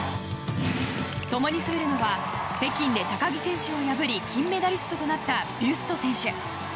ともに滑るのは北京で高木選手を破り金メダリストとなったビュスト選手。